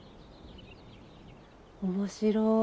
面白い。